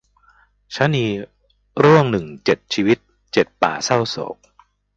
ชะนีร่วงหนึ่งชีวิต เจ็ดป่าเศร้าโศก